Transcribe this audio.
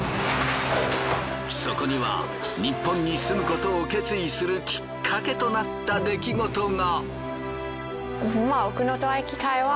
そこにはニッポンに住むことを決意するきっかけとなった出来事が。